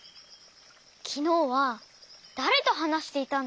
きのうはだれとはなしていたんですか？